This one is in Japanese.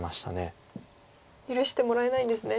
許してもらえないんですね。